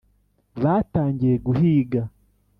batangiye guhiga!